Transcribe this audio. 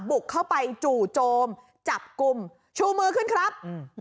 บุกเข้าไปจู่โจมจับกลุ่มชูมือขึ้นครับอืม